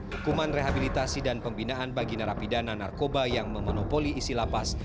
hukuman rehabilitasi dan pembinaan bagi narapidana narkoba yang memonopoli isi lapas